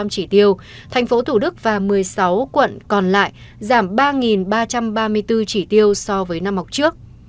một trăm sáu mươi năm chỉ tiêu thành phố thủ đức và một mươi sáu quận còn lại giảm ba ba trăm ba mươi bốn chỉ tiêu so với năm học trước